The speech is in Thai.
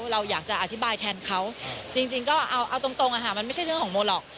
เราอยากจะอธิบายแทนเขาจริงก็เอาตรงมันไม่ใช่เรื่องของโมหรอก